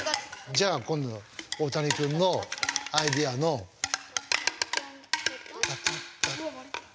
じゃあ今度大谷君のアイデアのタタッタ。